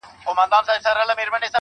ښايي زما د مرگ لپاره څه خيال وهي,